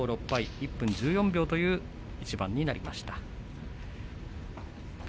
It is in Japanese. １分１４秒という一番でした。